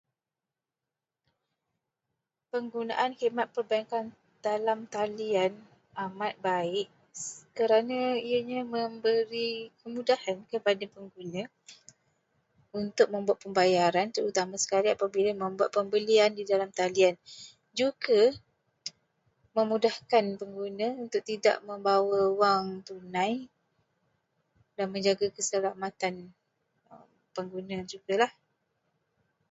Penggunaan khidmat perbankan dalam talian amat baik kerana ianya memberikan kemudahan kepada pengguna untuk membuat pembayaran terutama sekali apabila membuat pembelian di dalam talian. Juga memudahkan pengguna untuk tidak membawa wang tunai, dan menjaga keselamatan pengguna jugalah.